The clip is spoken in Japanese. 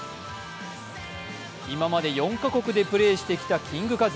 今まで４か国でプレーしてきたキングカズ。